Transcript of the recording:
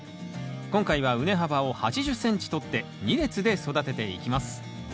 今回は畝幅を８０ｃｍとって２列で育てていきます。